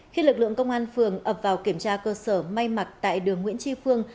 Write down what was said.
khi lực lượng công an phường ập vào kiểm tra cơ sở may mặc tại đường nguyễn tri phương